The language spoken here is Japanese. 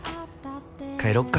帰ろっか。